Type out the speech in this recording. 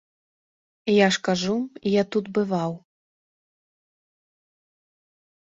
Я ж кажу, я тут бываў.